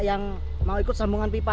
yang mau ikut sambungan pipa